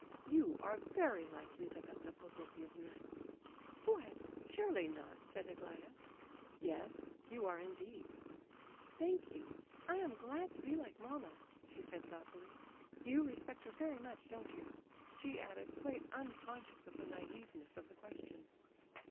"You are very like Lizabetha Prokofievna." "What! surely not?" said Aglaya. "Yes, you are, indeed." "Thank you; I am glad to be like mamma," she said, thoughtfully. "You respect her very much, don't you?" she added, quite unconscious of the naiveness of the question.